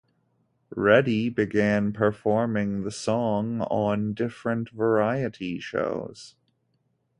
Reddy began performing the song on different variety shows.